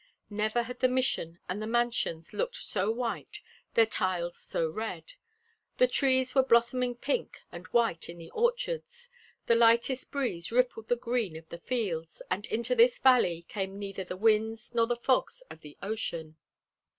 Never had the Mission and the mansions looked so white, their tiles so red. The trees were blossoming pink and white in the orchards, the lightest breeze rippled the green of the fields; and into this valley came neither the winds nor the fogs of the ocean.